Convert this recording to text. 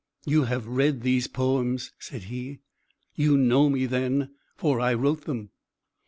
"You have read these poems," said he. "You know me, then for I wrote them."